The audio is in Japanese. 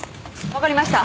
分かりました。